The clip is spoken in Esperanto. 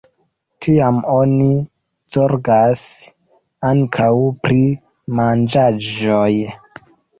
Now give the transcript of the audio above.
Tiam oni zorgas ankaŭ pri manĝaĵoj.